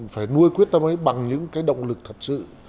phải nuôi quyết tâm ấy bằng những cái động lực thật sự